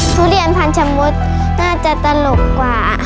ทุเรียนพันธมดน่าจะตลกกว่า